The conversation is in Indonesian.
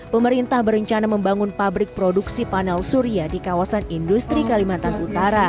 pemerintah berencana membangun pabrik produksi panel surya di kawasan industri kalimantan utara